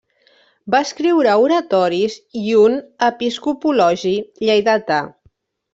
Va escriure oratoris i un episcopologi lleidatà.